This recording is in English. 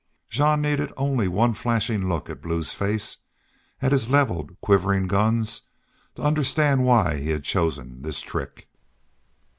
Jean needed only one flashing look at Blue's face, at his leveled, quivering guns, to understand why he had chosen this trick.